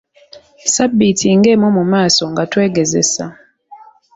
Ssabbiiti ng'emu mu maaso nga twegezesa.